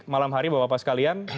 malam hari bapak bapak sekalian